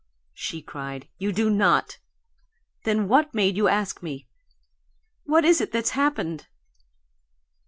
"No!" she cried. "You do not. Then what made you ask me? What is it that's happened?"